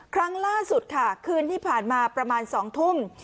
ครั้งล่าสุดค่ะคืนที่ผ่านมาประมาณ๒ทุ่ม